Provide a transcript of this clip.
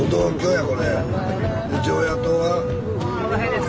この辺です。